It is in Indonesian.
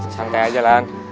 sengkai aja lan